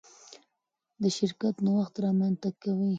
دا شرکت نوښت رامنځته کوي.